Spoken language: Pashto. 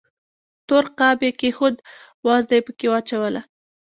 تور قاب یې کېښود، وازده یې پکې واچوله.